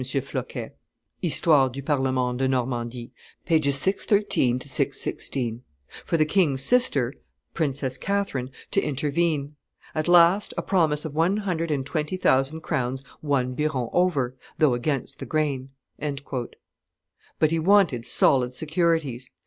Floquet [Histoire du Parlement de Normandie, t. iii. pp. 613 616], "for the king's sister (Princess Catherine) to intervene. At last, a promise of one hundred and twenty thousand crowns won Biron over, though against the grain." But he wanted solid securities.